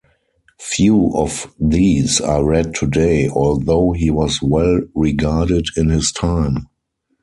Few of these are read today, although he was well regarded in his time.